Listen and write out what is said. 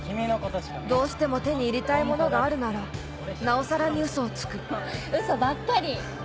どうしても手に入れたいものがあるならなおさらに嘘をつく嘘ばっかり。